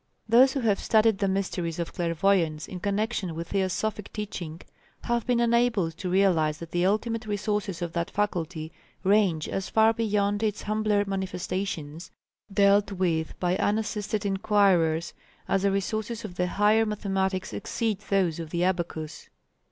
Those who have studied the mysteries of clairvoyance in connection with theosophic teaching have been enabled to realize that the ultimate resources of that faculty range as far beyond its humbler manifestations, dealt with by unassisted enquirers, as the resources of the higher mathematics exceed those of the abacus.